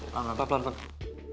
lalu apa pelan pelan